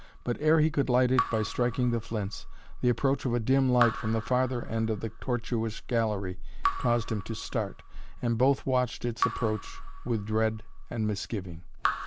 But ere he could light it by striking the flints, the approach of a dim light from the farther end of the tortuous gallery caused him to start, and both watched its approach with dread and misgiving.